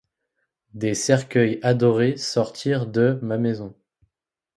Des cercueils adorés sortir de ma maison.